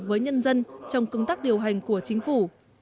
với nhân dân trong cương tắc điều hành của chính phủ